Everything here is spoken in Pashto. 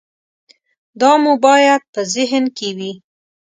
دا مو باید په ذهن کې وي.